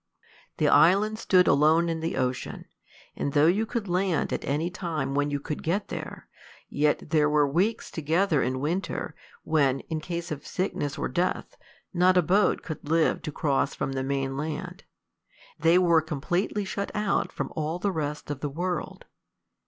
The island stood alone in the ocean; and though you could land at any time when you could get there, yet there were weeks together in winter, when, in case of sickness or death, not a boat could live to cross from the main land; they were completely shut out from all the rest of the world.